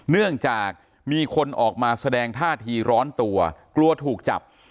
เนื่องจากมีคนออกมาแสดงท่าทีร้อนตัวกลัวกลัวถูกจับ